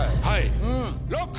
はい。